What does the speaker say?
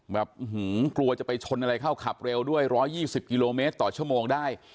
แบบกลัวจะไปชนอะไรเข้าขับเร็วด้วย๑๒๐กิโลเมตรต่อชั่วโมงได้